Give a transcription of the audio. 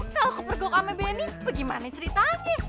kalau kepergok sama benny bagaimana ceritanya